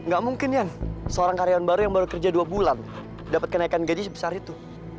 gak mungkin ya seorang karyawan baru yang baru kerja dua bulan dapat kenaikan gaji sebesar itu